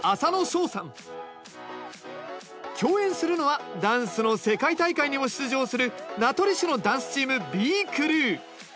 競演するのはダンスの世界大会にも出場する名取市のダンスチームＢ−ｃｒｅｗ。